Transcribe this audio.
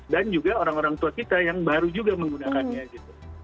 dan juga orang orang tua kita yang baru juga menggunakannya gitu